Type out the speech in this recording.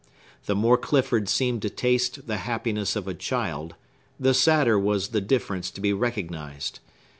The more Clifford seemed to taste the happiness of a child, the sadder was the difference to be recognized.